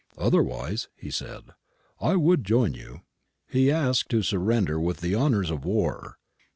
* Otherwise,' he said, * I would join you.'^ He asked to surrender with the honours of war.